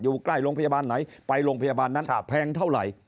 อยู่ใกล้โรงพยาบาลไหนไปโรงพยาบาลนั้นแพงเท่าไหร่